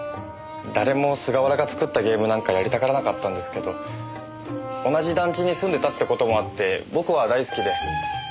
誰も菅原が作ったゲームなんかやりたがらなかったんですけど同じ団地に住んでたって事もあって僕は大好きで。